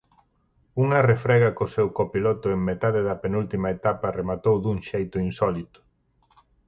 Unha refrega co seu copiloto en metade da penúltima etapa rematou dun xeito insólito.